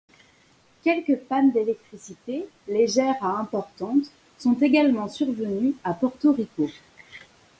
Quelques pannes d'électricité, légères à importantes, sont également survenues à Porto Rico.